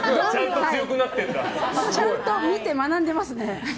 ちゃんと見て学んでますね。